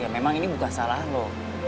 ya memang ini bukan salah loh